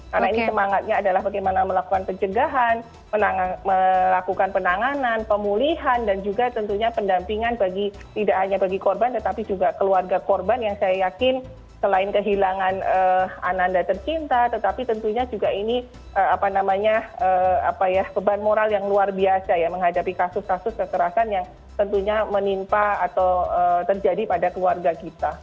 karena ini semangatnya adalah bagaimana melakukan pencegahan melakukan penanganan pemulihan dan juga tentunya pendampingan bagi tidak hanya bagi korban tetapi juga keluarga korban yang saya yakin selain kehilangan ananda tercinta tetapi tentunya juga ini apa namanya beban moral yang luar biasa ya menghadapi kasus kasus keterasan yang tentunya menimpa atau terjadi pada keluarga kita